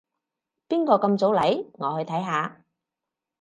邊個咁早嚟？我去睇下